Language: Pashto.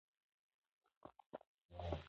تعلیم د ناروغانو د روغتیا سره مرسته کوي.